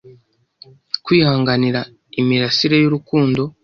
kwihanganira imirasire yurukundo